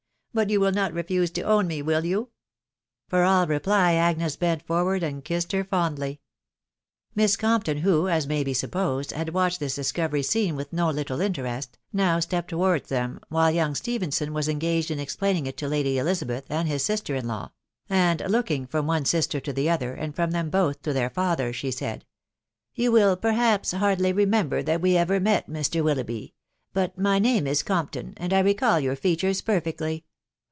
but you wul not xe&asft to otot&^^S^ywlV* * For qR reply Agnes bent forward wA^as^W^. ■. Mum Compton, who, as may \* wflpQs^W><in*jfcsA.*i*. TBS WIDOW BABNABY. 47$ discoTery scene with no little interest, now stepped towards them, while young Stephenson was engaged in explaining it to Lady Elizabeth and bis sister in law ; and looking from one sister to the other, and from them both to their father, she said —" You will, perhaps, hardly remember that we ever met, Mr. Willoughby .... but my name is Compton, and I recal your features perfectly.